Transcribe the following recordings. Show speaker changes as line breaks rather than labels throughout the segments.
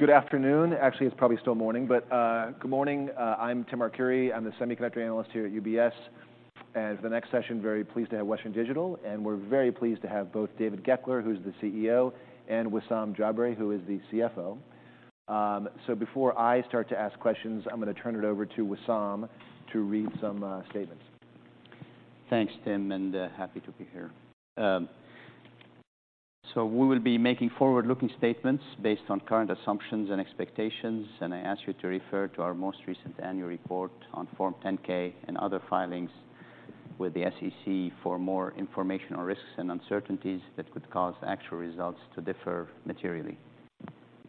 Good afternoon. Actually, it's probably still morning, but good morning, I'm Tim Arcuri. I'm the semiconductor analyst here at UBS, and for the next session, very pleased to have Western Digital, and we're very pleased to have both David Goeckeler, who's the CEO, and Wissam Jabre, who is the CFO. So before I start to ask questions, I'm gonna turn it over to Wissam to read some statements.
Thanks, Tim, and happy to be here. So we will be making forward-looking statements based on current assumptions and expectations, and I ask you to refer to our most recent annual report on Form 10-K and other filings with the SEC for more information on risks and uncertainties that could cause actual results to differ materially.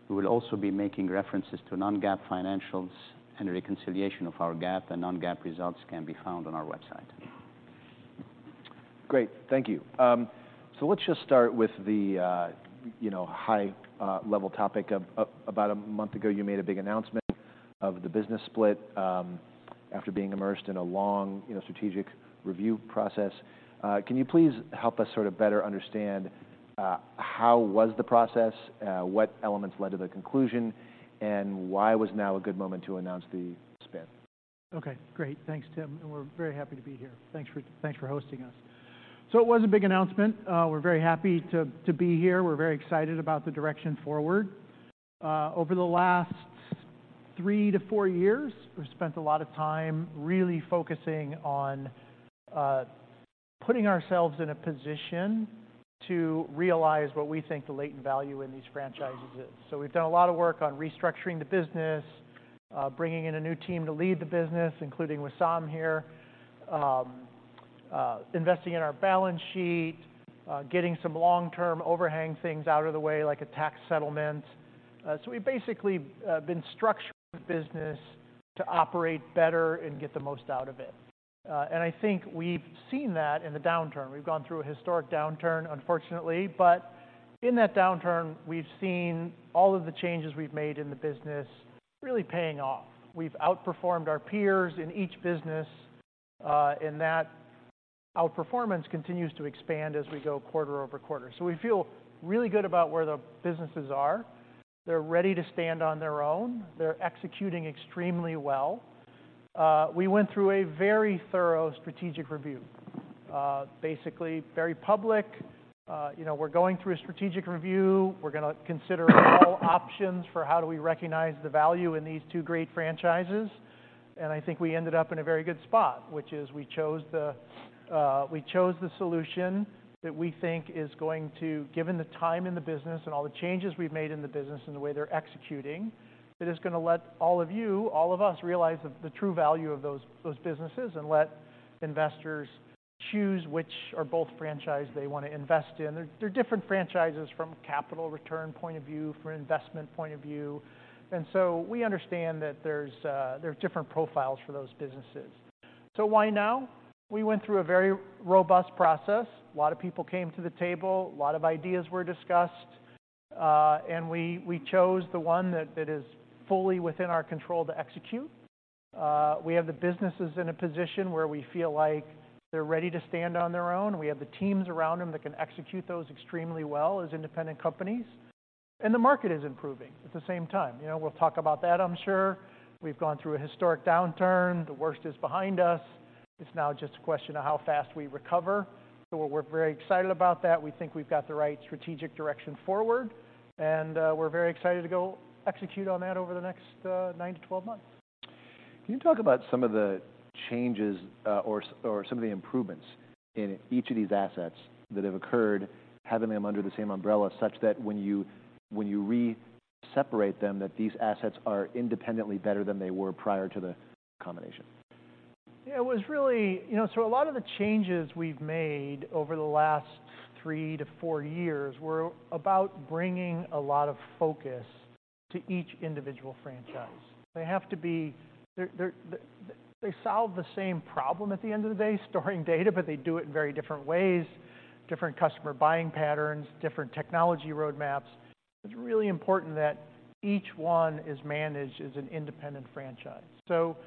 We will also be making references to non-GAAP financials, and a reconciliation of our GAAP and non-GAAP results can be found on our website.
Great, thank you. So let's just start with the you know high-level topic of about a month ago, you made a big announcement of the business split after being immersed in a long, you know, strategic review process. Can you please help us sort of better understand how was the process, what elements led to the conclusion, and why was now a good moment to announce the spin?
Okay, great. Thanks, Tim, and we're very happy to be here. Thanks for, thanks for hosting us. So it was a big announcement. We're very happy to be here. We're very excited about the direction forward. Over the last three to four years, we've spent a lot of time really focusing on putting ourselves in a position to realize what we think the latent value in these franchises is. So we've done a lot of work on restructuring the business, bringing in a new team to lead the business, including Wissam here, investing in our balance sheet, getting some long-term overhang things out of the way, like a tax settlement. So we've basically been structuring the business to operate better and get the most out of it. And I think we've seen that in the downturn. We've gone through a historic downturn, unfortunately, but in that downturn, we've seen all of the changes we've made in the business really paying off. We've outperformed our peers in each business, and that outperformance continues to expand as we go quarter over quarter. So we feel really good about where the businesses are. They're ready to stand on their own. They're executing extremely well. We went through a very thorough strategic review, basically very public. You know, we're going through a strategic review. We're gonna consider all options for how do we recognize the value in these two great franchises, and I think we ended up in a very good spot, which is we chose the, we chose the solution that we think is going to... Given the time in the business and all the changes we've made in the business and the way they're executing, it is gonna let all of you, all of us, realize the true value of those businesses and let investors choose which or both franchise they want to invest in. They're different franchises from a capital return point of view, from an investment point of view, and so we understand that there are different profiles for those businesses. So why now? We went through a very robust process. A lot of people came to the table, a lot of ideas were discussed, and we chose the one that is fully within our control to execute. We have the businesses in a position where we feel like they're ready to stand on their own. We have the teams around them that can execute those extremely well as independent companies, and the market is improving at the same time. You know, we'll talk about that, I'm sure. We've gone through a historic downturn. The worst is behind us. It's now just a question of how fast we recover. So we're very excited about that. We think we've got the right strategic direction forward, and we're very excited to go execute on that over the next nine to 12 months.
Can you talk about some of the changes, or some of the improvements in each of these assets that have occurred, having them under the same umbrella, such that when you re-separate them, that these assets are independently better than they were prior to the combination?
Yeah, it was really... You know, so a lot of the changes we've made over the last three to four years were about bringing a lot of focus to each individual franchise. They have to be. They solve the same problem at the end of the day, storing data, but they do it in very different ways, different customer buying patterns, different technology roadmaps. It's really important that each one is managed as an independent franchise. So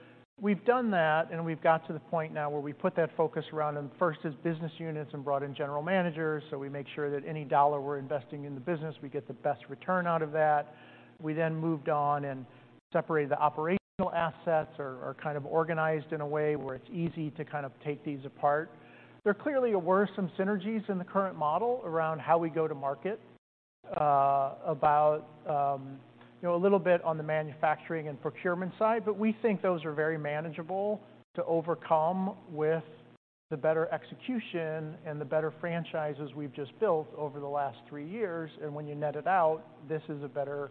we've done that, and we've got to the point now where we put that focus around them first as business units and brought in general managers, so we make sure that any dollar we're investing in the business, we get the best return out of that. We then moved on and separated the operational assets kind of organized in a way where it's easy to kind of take these apart. There clearly were some synergies in the current model around how we go to market, about, you know, a little bit on the manufacturing and procurement side, but we think those are very manageable to overcome with the better execution and the better franchises we've just built over the last three years, and when you net it out, this is a better,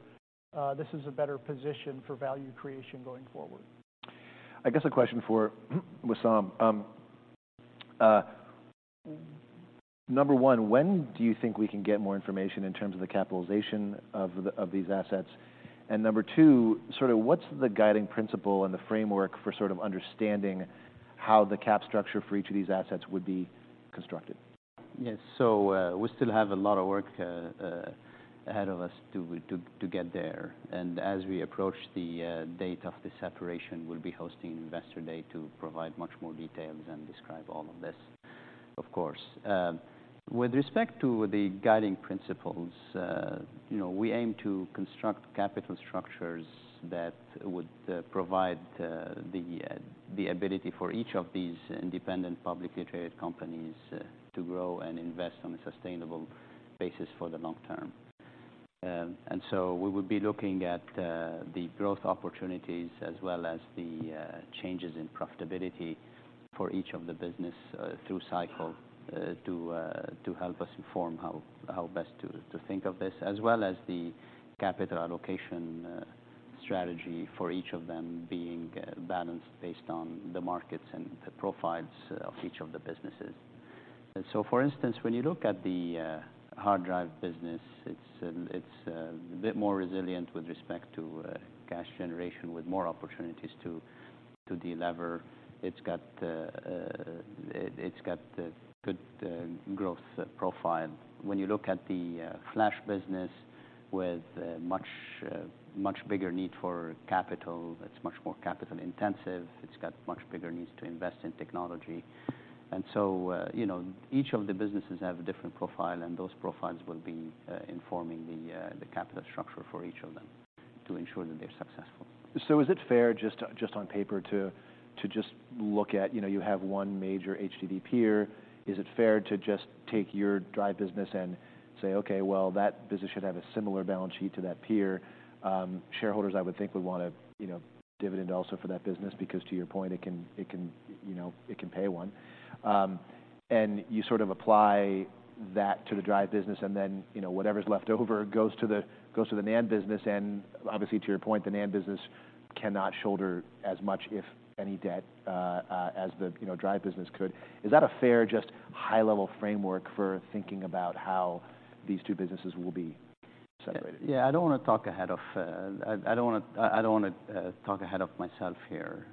this is a better position for value creation going forward.
I guess a question for Wissam. Number one, when do you think we can get more information in terms of the capitalization of these assets? Number two, sort of what's the guiding principle and the framework for sort of understanding how the cap structure for each of these assets would be constructed?
Yes. So, we still have a lot of work ahead of us to get there. And as we approach the date of the separation, we'll be hosting Investor Day to provide much more details and describe all of this. Of course. With respect to the guiding principles, you know, we aim to construct capital structures that would provide the ability for each of these independent, publicly traded companies to grow and invest on a sustainable basis for the long term. And so we will be looking at the growth opportunities as well as the changes in profitability for each of the business through cycle to help us inform how best to think of this, as well as the capital allocation strategy for each of them being balanced based on the markets and the profiles of each of the businesses. And so, for instance, when you look at the hard drive business, it's a bit more resilient with respect to cash generation, with more opportunities to delever. It's got a good growth profile. When you look at the flash business with much bigger need for capital, it's much more capital intensive. It's got much bigger needs to invest in technology. And so, you know, each of the businesses have a different profile, and those profiles will be the capital structure for each of them to ensure that they're successful.
So is it fair, just on paper, to just look at, you know, you have one major HDD peer? Is it fair to just take your drive business and say, "Okay, well, that business should have a similar balance sheet to that peer?" Shareholders, I would think, would want a, you know, dividend also for that business, because to your point, it can, you know, it can pay one. And you sort of apply that to the drive business, and then, you know, whatever's left over goes to the NAND business. And obviously, to your point, the NAND business cannot shoulder as much, if any, debt, as the, you know, drive business could. Is that a fair, just high-level framework for thinking about how these two businesses will be separated?
Yeah, I don't want to talk ahead of myself here.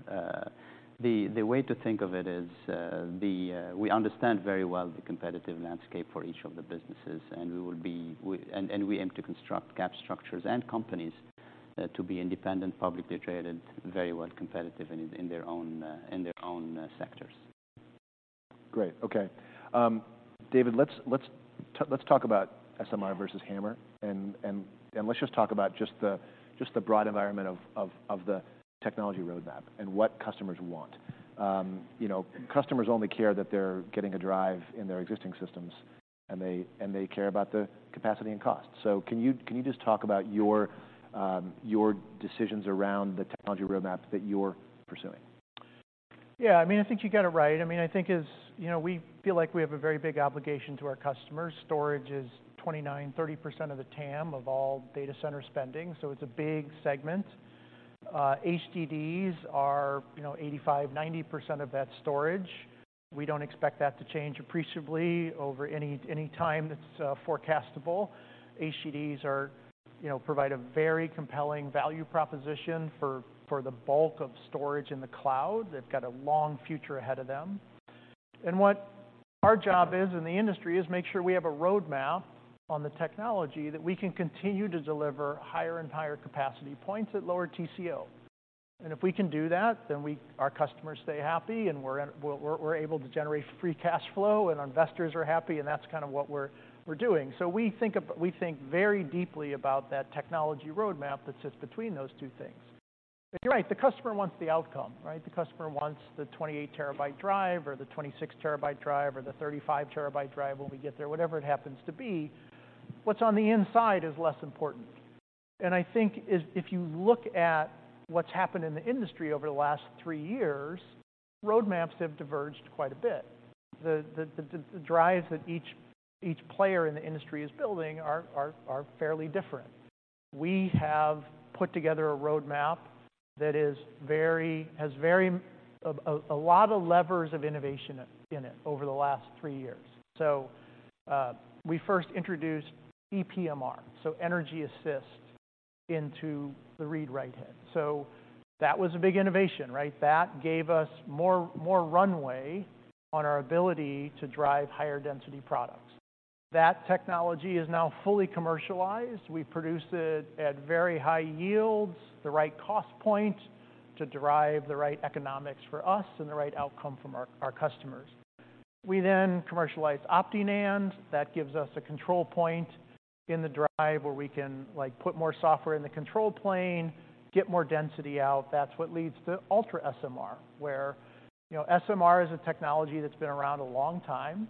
The way to think of it is, we understand very well the competitive landscape for each of the businesses, and we will be—and we aim to construct capital structures and companies to be independent, publicly traded, very well competitive in their own sectors.
Great. Okay. David, let's talk about SMR versus HAMR, and let's just talk about the broad environment of the technology roadmap and what customers want. You know, customers only care that they're getting a drive in their existing systems, and they care about the capacity and cost. So can you just talk about your decisions around the technology roadmap that you're pursuing?
Yeah, I mean, I think you got it right. I mean, I think. You know, we feel like we have a very big obligation to our customers. Storage is 29%-30% of the TAM of all data center spending, so it's a big segment. HDDs are, you know, 85%-90% of that storage. We don't expect that to change appreciably over any time that's forecastable. HDDs are, you know, provide a very compelling value proposition for the bulk of storage in the cloud. They've got a long future ahead of them. And what our job is in the industry is make sure we have a roadmap on the technology, that we can continue to deliver higher and higher capacity points at lower TCO. And if we can do that, then our customers stay happy, and we're able to generate free cash flow, and our investors are happy, and that's kind of what we're doing. So we think very deeply about that technology roadmap that sits between those two things. But you're right, the customer wants the outcome, right? The customer wants the 28 TB drive or the 26 TB drive or the 35 TB drive when we get there, whatever it happens to be. What's on the inside is less important. And I think if you look at what's happened in the industry over the last three years, roadmaps have diverged quite a bit. The drives that each player in the industry is building are fairly different. We have put together a roadmap that has very. A lot of levers of innovation in it over the last three years. So, we first introduced ePMR, so energy assist into the read/write head. So that was a big innovation, right? That gave us more, more runway on our ability to drive higher-density products. That technology is now fully commercialized. We produce it at very high yields, the right cost point to derive the right economics for us and the right outcome from our, our customers. We then commercialized OptiNAND. That gives us a control point in the drive where we can, like, put more software in the control plane, get more density out. That's what leads to UltraSMR, where, you know, SMR is a technology that's been around a long time.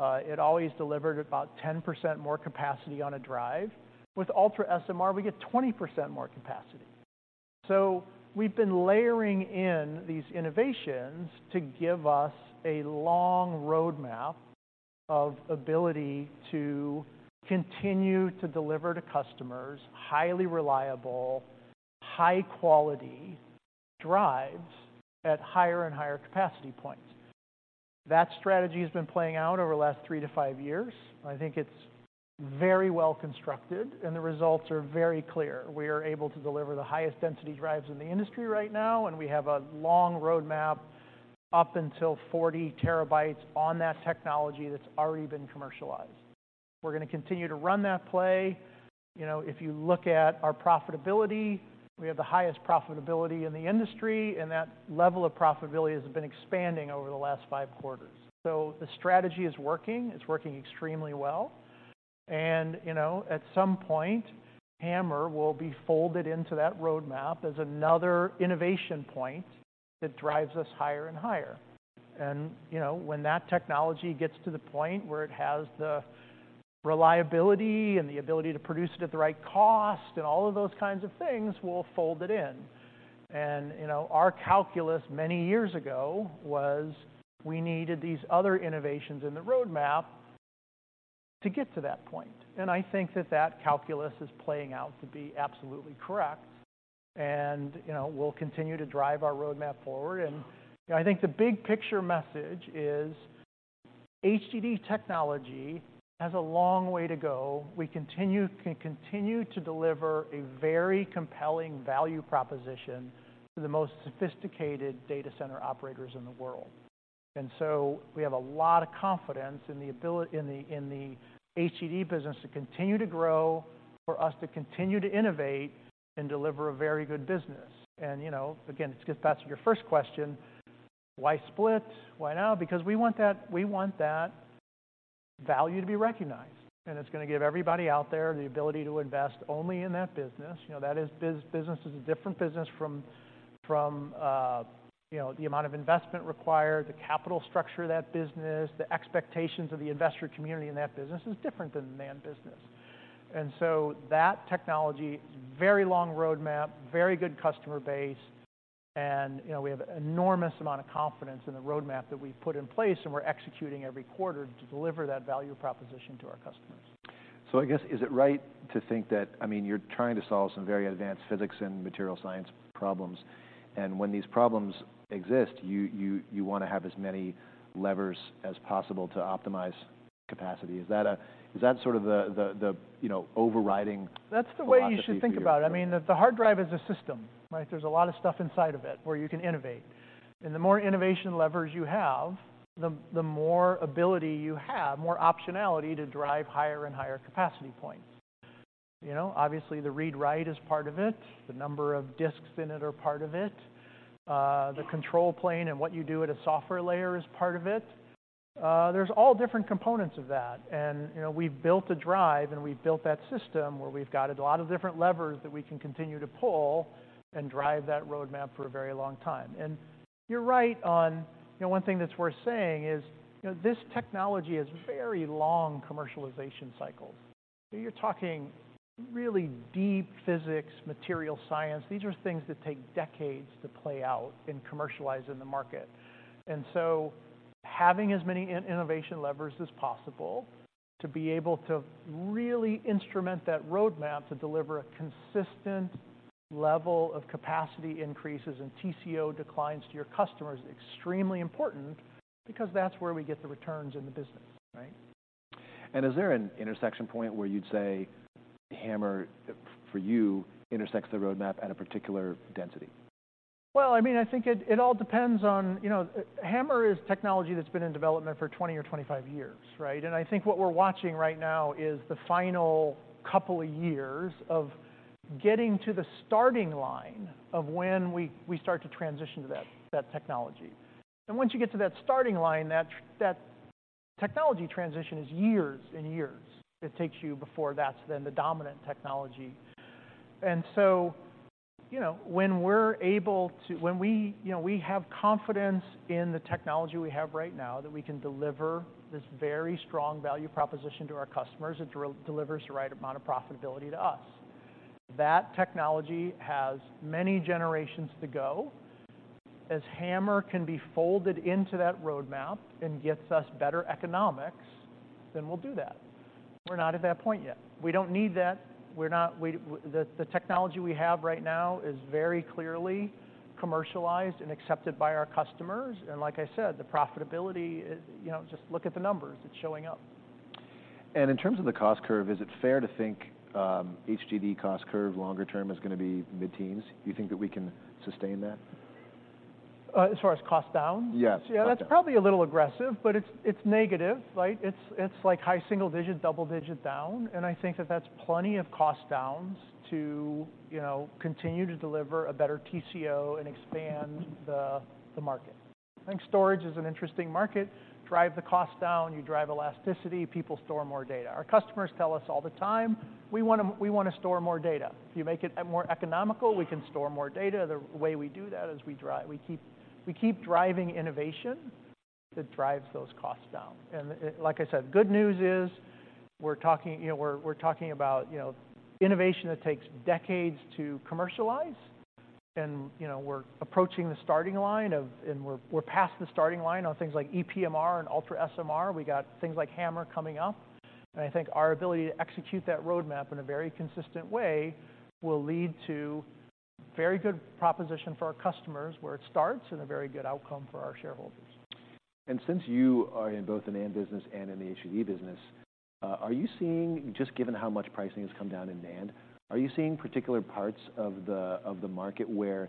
It always delivered about 10% more capacity on a drive. With UltraSMR, we get 20% more capacity. We've been layering in these innovations to give us a long roadmap of ability to continue to deliver to customers, highly reliable, high-quality drives at higher and higher capacity points. That strategy has been playing out over the last three to five years. I think it's very well constructed, and the results are very clear. We are able to deliver the highest density drives in the industry right now, and we have a long roadmap up until 40 TB on that technology that's already been commercialized.... We're going to continue to run that play. You know, if you look at our profitability, we have the highest profitability in the industry, and that level of profitability has been expanding over the last five quarters. So the strategy is working, it's working extremely well. You know, at some point, HAMR will be folded into that roadmap as another innovation point that drives us higher and higher. You know, when that technology gets to the point where it has the reliability and the ability to produce it at the right cost and all of those kinds of things, we'll fold it in. You know, our calculus many years ago was we needed these other innovations in the roadmap to get to that point, and I think that that calculus is playing out to be absolutely correct. You know, we'll continue to drive our roadmap forward. I think the big picture message is, HDD technology has a long way to go. We can continue to deliver a very compelling value proposition to the most sophisticated data center operators in the world. And so we have a lot of confidence in the ability, in the HDD business to continue to grow, for us to continue to innovate and deliver a very good business. And, you know, again, to get back to your first question: Why split? Why now? Because we want that, we want that value to be recognized, and it's going to give everybody out there the ability to invest only in that business. You know, that is business is a different business from, you know, the amount of investment required, the capital structure of that business, the expectations of the investor community in that business is different than the NAND business. And so that technology, very long roadmap, very good customer base, and, you know, we have enormous amount of confidence in the roadmap that we've put in place, and we're executing every quarter to deliver that value proposition to our customers.
So I guess, is it right to think that, I mean, you're trying to solve some very advanced physics and material science problems, and when these problems exist, you want to have as many levers as possible to optimize capacity? Is that sort of the, you know, overriding-
That's the way-
-philosophy...
you should think about it. I mean, the hard drive is a system, right? There's a lot of stuff inside of it where you can innovate. And the more innovation levers you have, the more ability you have, more optionality to drive higher and higher capacity points. You know, obviously, the read/write is part of it, the number of disks in it are part of it, the control plane and what you do at a software layer is part of it. There's all different components of that. And, you know, we've built a drive, and we've built that system where we've got a lot of different levers that we can continue to pull and drive that roadmap for a very long time. And you're right on, you know, one thing that's worth saying is, you know, this technology has very long commercialization cycles. You're talking really deep physics, material science. These are things that take decades to play out and commercialize in the market. So having as many innovation levers as possible to be able to really instrument that roadmap to deliver a consistent level of capacity increases and TCO declines to your customers is extremely important because that's where we get the returns in the business, right?
Is there an intersection point where you'd say HAMR, for you, intersects the roadmap at a particular density?
Well, I mean, I think it all depends on... You know, HAMR is technology that's been in development for 20 or 25 years, right? And I think what we're watching right now is the final couple of years of getting to the starting line of when we start to transition to that technology. And once you get to that starting line, that technology transition is years and years it takes you before that's then the dominant technology. And so, you know, when we have confidence in the technology we have right now, that we can deliver this very strong value proposition to our customers, it delivers the right amount of profitability to us. That technology has many generations to go. As HAMR can be folded into that roadmap and gets us better economics, then we'll do that. We're not at that point yet. We don't need that. We're not. The technology we have right now is very clearly commercialized and accepted by our customers. And like I said, the profitability is, you know, just look at the numbers, it's showing up.
In terms of the cost curve, is it fair to think, HDD cost curve, longer term, is going to be mid-teens? Do you think that we can sustain that?
As far as cost down?
Yes.
Yeah, that's probably a little aggressive, but it's, it's negative, right? It's, it's like high single digit, double digit down, and I think that that's plenty of cost downs to, you know, continue to deliver a better TCO and expand the, the market. I think storage is an interesting market. Drive the cost down, you drive elasticity, people store more data. Our customers tell us all the time, "We want to, we want to store more data. If you make it more economical, we can store more data." The way we do that is we keep, we keep driving innovation that drives those costs down. And, like I said, good news is we're talking, you know, we're, we're talking about, you know, innovation that takes decades to commercialize. You know, we're approaching the starting line of, and we're past the starting line on things like ePMR and UltraSMR. We got things like HAMR coming up, and I think our ability to execute that roadmap in a very consistent way will lead to very good proposition for our customers, where it starts, and a very good outcome for our shareholders.
Since you are in both the NAND business and in the HDD business, are you seeing just given how much pricing has come down in NAND, are you seeing particular parts of the market where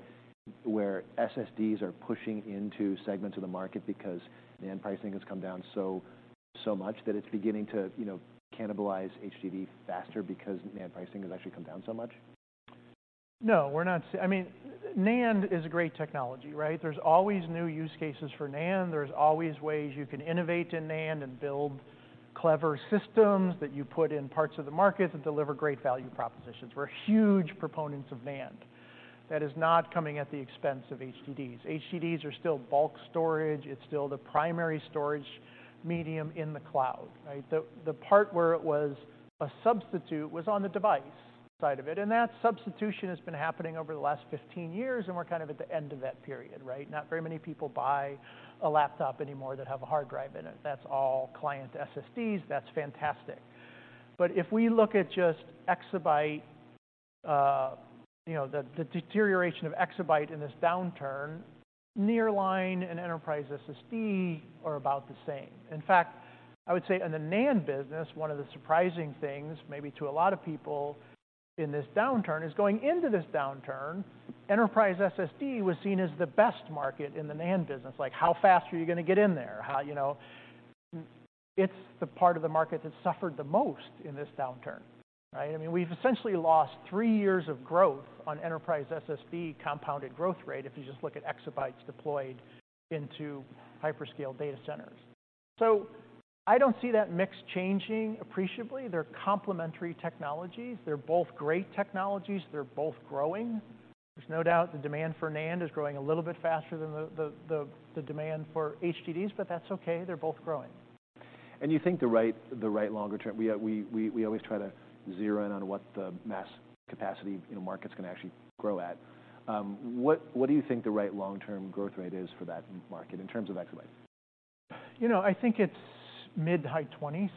SSDs are pushing into segments of the market because NAND pricing has come down so much that it's beginning to, you know, cannibalize HDD faster because NAND pricing has actually come down so much?
No, we're not. I mean, NAND is a great technology, right? There's always new use cases for NAND. There's always ways you can innovate in NAND and build clever systems that you put in parts of the market that deliver great value propositions. We're huge proponents of NAND. That is not coming at the expense of HDDs. HDDs are still bulk storage. It's still the primary storage medium in the cloud, right? The part where it was a substitute was on the device side of it, and that substitution has been happening over the last 15 years, and we're kind of at the end of that period, right? Not very many people buy a laptop anymore that have a hard drive in it. That's all client SSDs. That's fantastic. But if we look at just Exabyte, you know, the deterioration of Exabyte in this downturn, Nearline and Enterprise SSD are about the same. In fact, I would say in the NAND business, one of the surprising things, maybe to a lot of people in this downturn, is going into this downturn, Enterprise SSD was seen as the best market in the NAND business. Like, how fast are you going to get in there? How, you know, it's the part of the market that suffered the most in this downturn, right? I mean, we've essentially lost three years of growth on Enterprise SSD compounded growth rate, if you just look at Exabytes deployed into Hyperscale data centers. So I don't see that mix changing appreciably. They're complementary technologies. They're both great technologies. They're both growing. There's no doubt the demand for NAND is growing a little bit faster than the demand for HDDs, but that's okay. They're both growing.
You think the right longer-term? We always try to zero in on what the mass capacity, you know, markets can actually grow at. What do you think the right long-term growth rate is for that market in terms of exabytes?
You know, I think it's mid- to high 20s,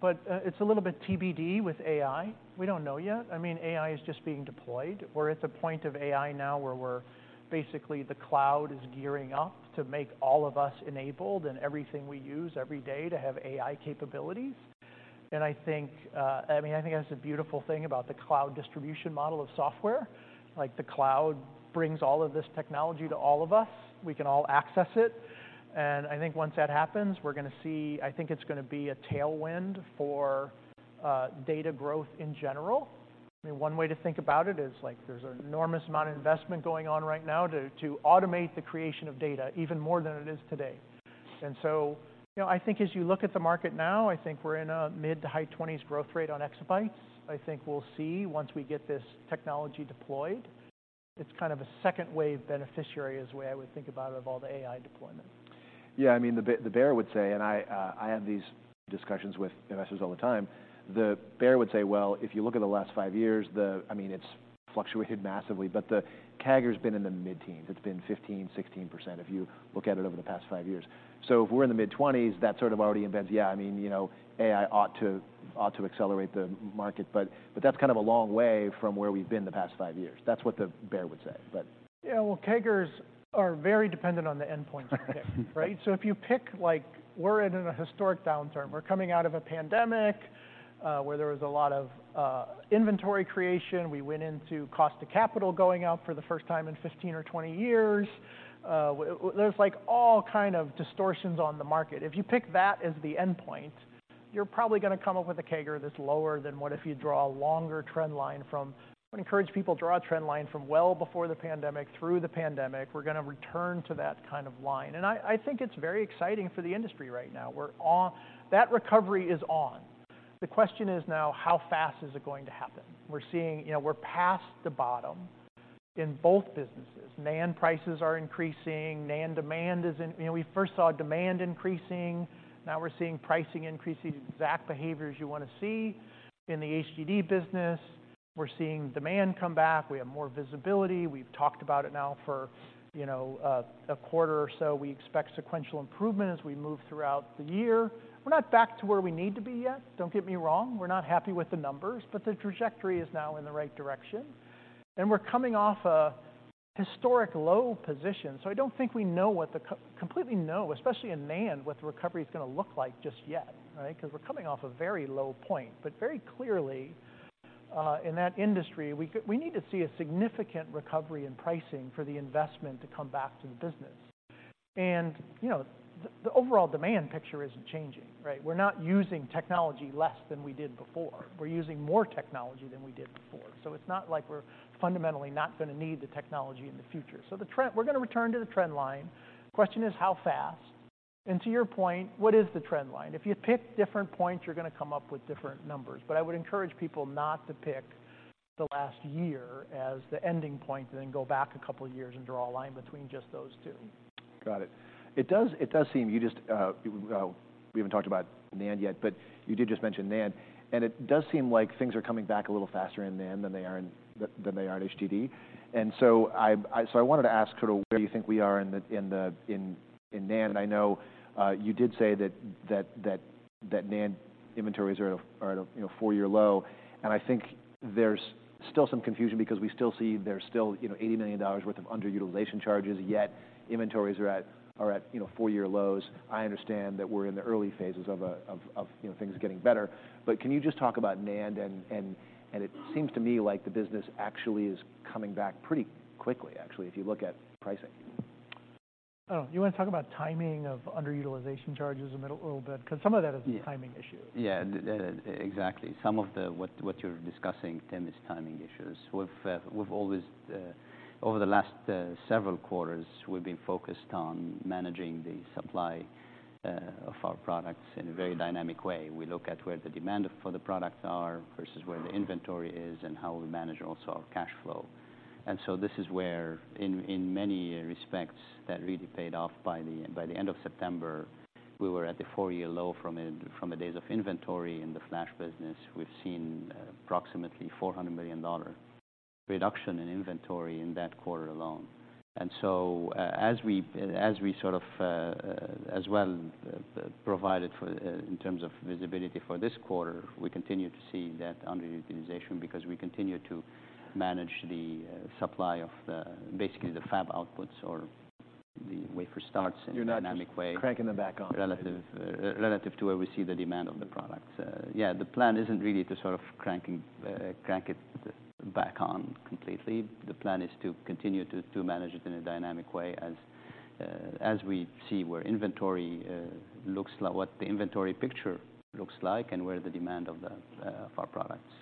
but it's a little bit TBD with AI. We don't know yet. I mean, AI is just being deployed. We're at the point of AI now where we're basically the cloud is gearing up to make all of us enabled and everything we use every day to have AI capabilities. And I think, I mean, I think that's the beautiful thing about the cloud distribution model of software. Like, the cloud brings all of this technology to all of us. We can all access it, and I think once that happens, we're going to see... I think it's going to be a tailwind for data growth in general. I mean, one way to think about it is, like, there's an enormous amount of investment going on right now to automate the creation of data even more than it is today. So, you know, I think as you look at the market now, I think we're in a mid- to high-20s growth rate on exabytes. I think we'll see once we get this technology deployed. It's kind of a second wave beneficiary, is the way I would think about it, of all the AI deployment.
Yeah, I mean, the bear, the bear would say, and I, I have these discussions with investors all the time. The bear would say, "Well, if you look at the last five years, the, I mean, it's fluctuated massively, but the CAGR has been in the mid-teens. It's been 15%, 16% if you look at it over the past five years. So if we're in the mid-twenties, that sort of already embeds, yeah, I mean, you know, AI ought to, ought to accelerate the market, but, but that's kind of a long way from where we've been the past five years." That's what the bear would say, but-
Yeah, well, CAGRs are very dependent on the endpoint you pick, right? So if you pick, like, we're in a historic downturn. We're coming out of a pandemic, where there was a lot of inventory creation. We went into cost of capital going out for the first time in 15 or 20 years. There's, like, all kind of distortions on the market. If you pick that as the endpoint, you're probably going to come up with a CAGR that's lower than what if you draw a longer trend line from... I encourage people to draw a trend line from well before the pandemic through the pandemic. We're going to return to that kind of line. And I think it's very exciting for the industry right now. We're on. That recovery is on. The question is now, how fast is it going to happen? We're seeing, you know, we're past the bottom in both businesses. NAND prices are increasing. NAND demand is in... You know, we first saw demand increasing, now we're seeing pricing increases, exact behaviors you want to see. In the HDD business, we're seeing demand come back. We have more visibility. We've talked about it now for, you know, a quarter or so. We expect sequential improvement as we move throughout the year. We're not back to where we need to be yet. Don't get me wrong, we're not happy with the numbers, but the trajectory is now in the right direction, and we're coming off a historic low position. So I don't think we completely know, especially in NAND, what the recovery is going to look like just yet, right? Because we're coming off a very low point. But very clearly, in that industry, we, we need to see a significant recovery in pricing for the investment to come back to the business. And, you know, the, the overall demand picture isn't changing, right? We're not using technology less than we did before. We're using more technology than we did before. So it's not like we're fundamentally not going to need the technology in the future. So the trend-- we're going to return to the trend line. Question is, how fast? And to your point, what is the trend line? If you pick different points, you're going to come up with different numbers. But I would encourage people not to pick the last year as the ending point, and then go back a couple of years and draw a line between just those two.
Got it. It does seem you just, we haven't talked about NAND yet, but you did just mention NAND, and it does seem like things are coming back a little faster in NAND than they are in, than they are in HDD. And so I wanted to ask sort of where you think we are in the, in the, in NAND, and I know you did say that NAND inventories are at a, you know, four-year low. And I think there's still some confusion because we still see there's still, you know, $80 million worth of underutilization charges, yet inventories are at, you know, four-year lows. I understand that we're in the early phases of, you know, things getting better. But can you just talk about NAND? It seems to me like the business actually is coming back pretty quickly, actually, if you look at pricing.
Oh, you want to talk about timing of underutilization charges a little, little bit? Because some of that is a timing issue.
Yeah, exactly. Some of the, what you're discussing, Tim, is timing issues. We've always, over the last several quarters, we've been focused on managing the supply of our products in a very dynamic way. We look at where the demand for the products are versus where the inventory is and how we manage also our cash flow. And so this is where, in many respects, that really paid off by the end of September, we were at the four-year low from a days of inventory in the flash business. We've seen approximately $400 million reduction in inventory in that quarter alone. And so, as we sort of, as well, provided for in terms of visibility for this quarter, we continue to see that underutilization because we continue to manage the supply of the, basically, the fab outputs or the wafer starts in a dynamic way-
You're not cranking them back on.
Relative, relative to where we see the demand of the products. Yeah, the plan isn't really to sort of crank it back on completely. The plan is to continue to manage it in a dynamic way as as we see where inventory looks like-- what the inventory picture looks like and where the demand of the of our products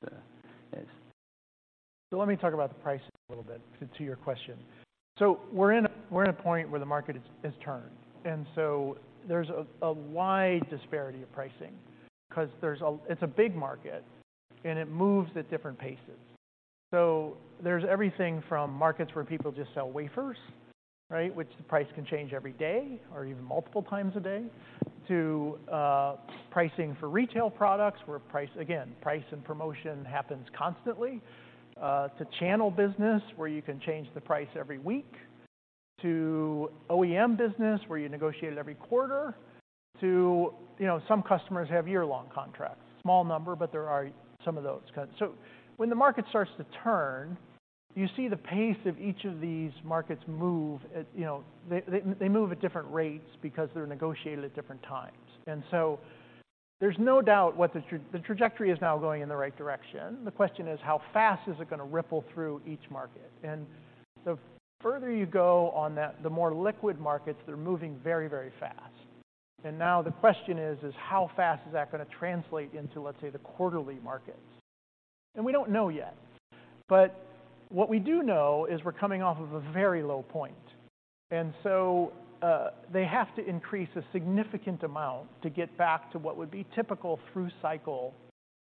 is.
So let me talk about the pricing a little bit to your question. So we're in a point where the market has turned, and so there's a wide disparity of pricing because there's a... It's a big market, and it moves at different paces. So there's everything from markets where people just sell wafers, right? Which the price can change every day or even multiple times a day, to pricing for retail products, where price, again, and promotion happens constantly, to channel business, where you can change the price every week, to OEM business, where you negotiate it every quarter, to, you know, some customers have year-long contracts. Small number, but there are some of those kind. So when the market starts to turn, you see the pace of each of these markets move at, you know-- they move at different rates because they're negotiated at different times. And so there's no doubt what the trajectory is now going in the right direction. The question is: How fast is it going to ripple through each market? And the further you go on that, the more liquid markets, they're moving very, very fast. And now the question is, is how fast is that going to translate into, let's say, the quarterly markets? And we don't know yet, but what we do know is we're coming off of a very low point. And so, they have to increase a significant amount to get back to what would be typical through-cycle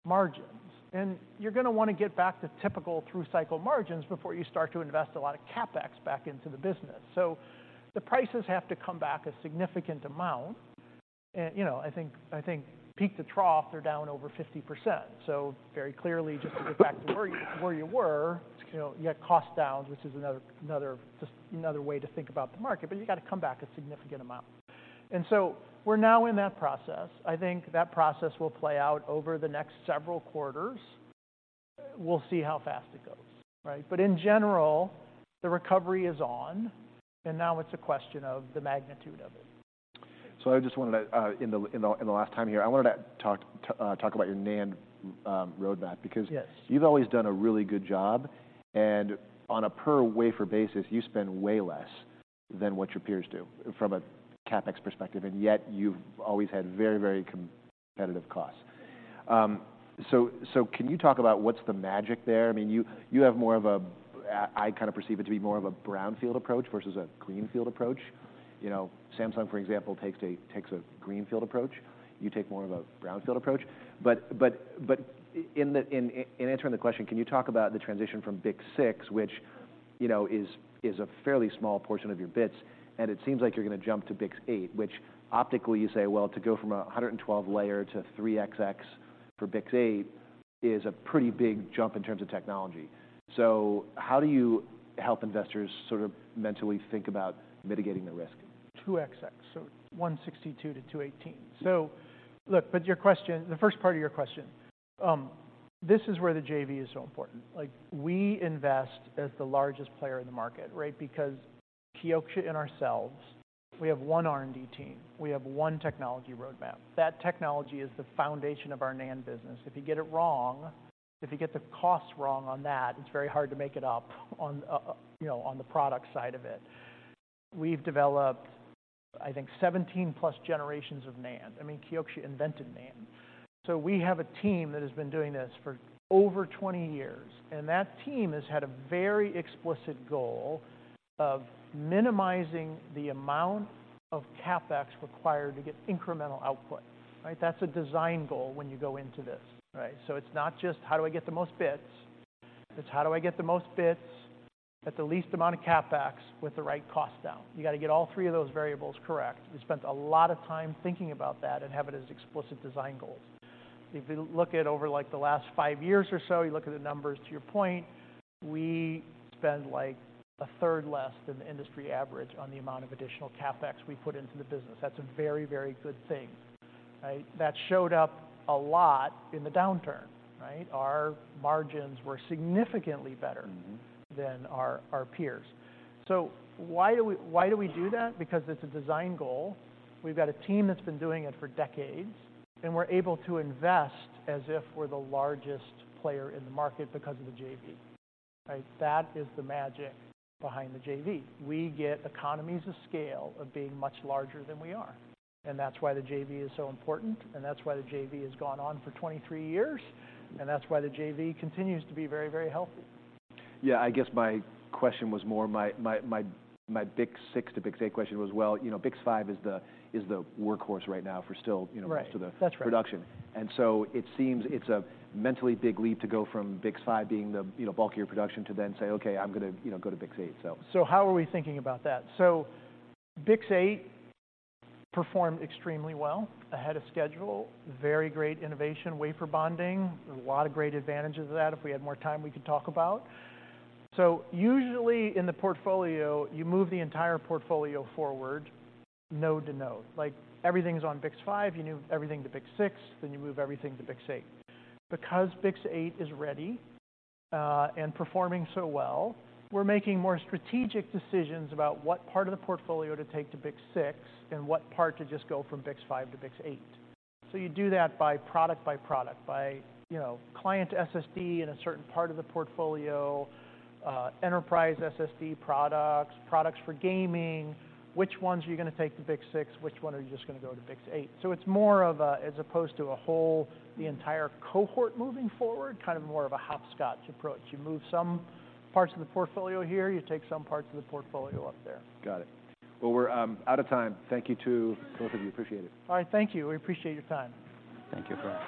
margins. You're gonna want to get back to typical through-cycle margins before you start to invest a lot of CapEx back into the business. So the prices have to come back a significant amount. And, you know, I think, I think peak to trough, they're down over 50%. So very clearly, just to get back to where you, where you were, you know, you had cost down, which is another, another, just another way to think about the market, but you got to come back a significant amount. And so we're now in that process. I think that process will play out over the next several quarters. We'll see how fast it goes, right? But in general, the recovery is on, and now it's a question of the magnitude of it.
So I just wanted to, in the last time here, I wanted to talk about your NAND roadmap, because-
Yes.
You've always done a really good job, and on a per wafer basis, you spend way less than what your peers do from a CapEx perspective, and yet you've always had very, very competitive costs. So, can you talk about what's the magic there? I mean, you have more of a... I kind of perceive it to be more of a brownfield approach versus a greenfield approach. You know, Samsung, for example, takes a greenfield approach. You take more of a brownfield approach. In answering the question, can you talk about the transition from BiCS 6, which, you know, is a fairly small portion of your bits, and it seems like you're going to jump to BiCS 8, which optically you say, well, to go from a 112-layer to 3XX for BiCS 8 is a pretty big jump in terms of technology. So how do you help investors sort of mentally think about mitigating the risk?
2x, so 162-218. So look, but your question, the first part of your question, this is where the JV is so important. Like, we invest as the largest player in the market, right? Because Kioxia and ourselves, we have one R&D team. We have one technology roadmap. That technology is the foundation of our NAND business. If you get it wrong, if you get the cost wrong on that, it's very hard to make it up on, you know, on the product side of it. We've developed, I think, 17+ generations of NAND. I mean, Kioxia invented NAND. So we have a team that has been doing this for over 20 years, and that team has had a very explicit goal of minimizing the amount of CapEx required to get incremental output, right? That's a design goal when you go into this, right? So it's not just: How do I get the most bits? It's: How do I get the most bits at the least amount of CapEx with the right cost down? You got to get all three of those variables correct. We spent a lot of time thinking about that and have it as explicit design goals. If you look at over, like, the last five years or so, you look at the numbers, to your point, we spend, like, a third less than the industry average on the amount of additional CapEx we put into the business. That's a very, very good thing.... Right? That showed up a lot in the downturn, right? Our margins were significantly better than our peers. So why do we, why do we do that? Because it's a design goal. We've got a team that's been doing it for decades, and we're able to invest as if we're the largest player in the market because of the JV, right? That is the magic behind the JV. We get economies of scale of being much larger than we are, and that's why the JV is so important, and that's why the JV has gone on for 23 years, and that's why the JV continues to be very, very healthy.
Yeah, I guess my question was more my BiCS 6 to BiCS 8 question was, well, you know, BiCS 5 is the workhorse right now for still, you know-
Right.
most of the production.
That's right.
It seems it's a monumentally big leap to go from BiCS 5 being the, you know, bulk of your production, to then say, "Okay, I'm gonna, you know, go to BiCS 8," so.
So how are we thinking about that? So BiCS 8 performed extremely well, ahead of schedule, very great innovation, wafer bonding. There's a lot of great advantages of that. If we had more time, we could talk about. So usually, in the portfolio, you move the entire portfolio forward, node to node. Like, everything's on BiCS 5, you move everything to BiCS 6, then you move everything to BiCS 8. Because BiCS 8 is ready, and performing so well, we're making more strategic decisions about what part of the portfolio to take to BiCS6 and what part to just go from BiCS 5-BiCS 8. So you do that by product by product, by, you know, client SSD in a certain part of the portfolio, enterprise SSD products, products for gaming. Which ones are you gonna take to BiCS 6? Which one are you just gonna go to BiCS 8? So it's more of a, as opposed to a whole, the entire cohort moving forward, kind of more of a hopscotch approach. You move some parts of the portfolio here, you take some parts of the portfolio up there.
Got it. Well, we're out of time. Thank you to both of you. Appreciate it.
All right, thank you. We appreciate your time.
Thank you for having us.